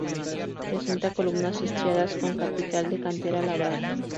Presenta columnas estriadas, con capitel de cantera labrada.